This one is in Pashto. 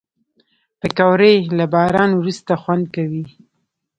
پکورې له باران وروسته خوند کوي